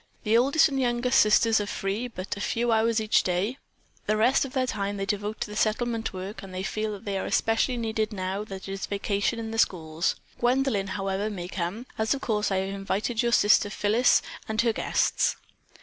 The oldest and youngest sisters are free but a few hours each day; the rest of their time they devote to Settlement work and they feel that they are especially needed now that it is vacation in the schools. Gwendolyn, however, may come, as of course I have invited your sister Phyllis and her guests."